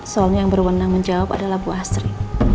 soalnya yang berwenang menjawab adalah bu asri